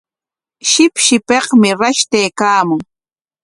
Shipshipikmi rashtaykaamun.